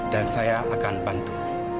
dan saya akan bantu